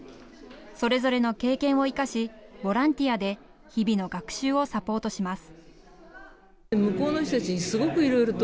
それぞれの経験を生かし、ボランティアで日々の学習をサポートします。